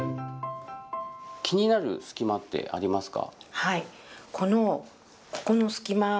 気になる隙間ってありますか？